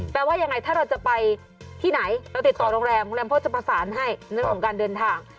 ว่ายังไงถ้าเราจะไปที่ไหนเราติดต่อโรงแรมโรงแรมเขาจะประสานให้เรื่องของการเดินทาง